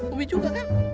umi juga kan